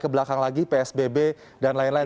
kebelakang lagi psbb dan lain lain